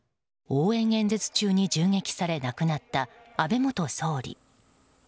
応援演説中に銃撃され亡くなった安倍元総理。